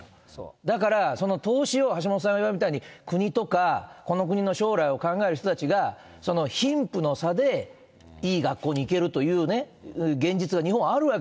だから投資を橋下さんが言われたように、国とかこの国の将来を考える人たちが、貧富の差でいい学校に行けるというね、現実が日本はあ